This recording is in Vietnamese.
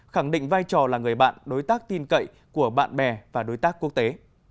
khẳng định vai trò là người bạn đối tác tin cậy của bạn bè và đối tác quốc tế